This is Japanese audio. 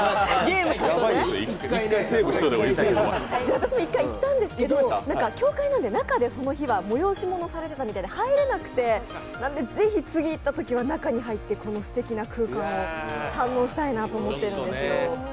私も１回行ったんですけど、教会なんで中で催し物をされていたので入れなくてなので、是非、次行ったときは中に入ってこのすてきな空間を堪能したいなって思ってるんですよ。